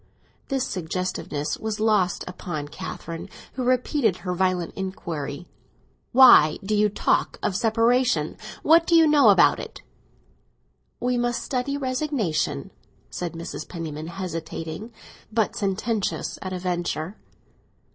This suggestiveness was lost upon Catherine, who repeated her violent inquiry. "Why do you talk about separation; what do you know about it?" "We must study resignation," said Mrs. Penniman, hesitating, but sententious at a venture.